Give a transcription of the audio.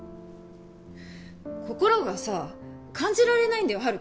心がさ感じられないんだよ